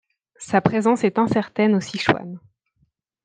Sa présence est incertaine au Sichuan.